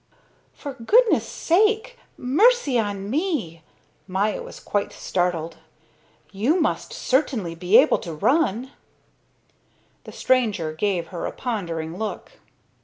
"For goodness sake! Mercy on me!" Maya was quite startled. "You must certainly be able to run!" The stranger gave her a pondering look.